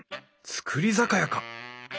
造り酒屋か！